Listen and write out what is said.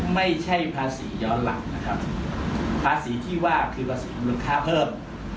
ไม่ใช่ภาษีย้อนหลังนะครับภาษีที่ว่าคือภาษีมูลค่าเพิ่ม